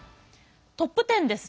トップテンです。